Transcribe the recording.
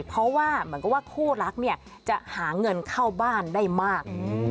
เพราะว่าเหมือนกับว่าคู่รักเนี่ยจะหาเงินเข้าบ้านได้มาก